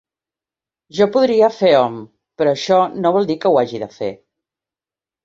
Jo podria fer-hom però això no vol dir que ho hagi de fer.